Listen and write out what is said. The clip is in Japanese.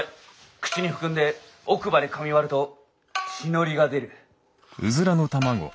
口に含んで奥歯でかみ割ると血のりが出る。